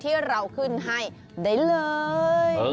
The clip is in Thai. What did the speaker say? ที่เราขึ้นให้ได้เลย